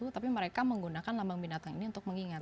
tapi mereka menggunakan lambang binatang ini untuk mengingat